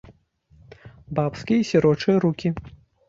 Бабскія і сірочыя рукі!